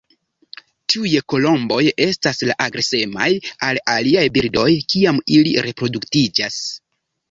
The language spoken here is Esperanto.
Tiuj kolomboj estas tre agresemaj al aliaj birdoj kiam ili reproduktiĝas.